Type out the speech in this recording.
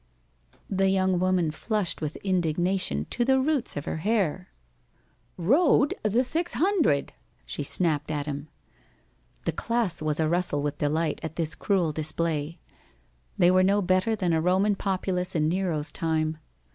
The young woman flushed with indignation to the roots of her hair. "Rode the six hundred," she snapped at him. The class was arustle with delight at this cruel display. They were no better than a Roman populace in Nero's time.